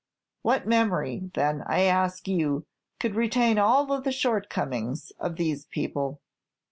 What memory, then, I ask you, could retain all the shortcomings of these people?"